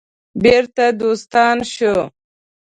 بیرته دوستان شو.